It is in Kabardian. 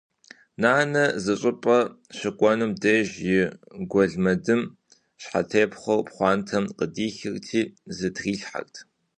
Нанэ зы щӏыпӏэ щыкӏуэнум деж и гуэлмэдын щхьэтепхъуэр пхъуантэм къыдихырти зытрилъхьэрт.